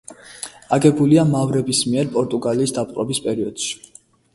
აგებულია მავრების მიერ პორტუგალიის დაპყრობის პერიოდში.